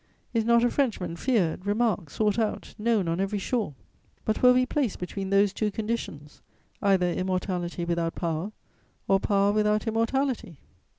Is not a Frenchman feared, remarked, sought out, known on every shore?" But were we placed between those two conditions: either immortality without power, or power without immortality?